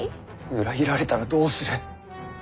裏切られたらどうする。